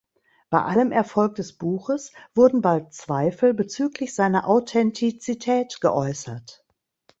Bei allem Erfolg des Buches wurden bald Zweifel bezüglich seiner Authentizität geäußert.